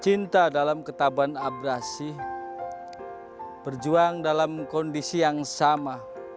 cinta dalam ketaban abrasi berjuang dalam kondisi yang sama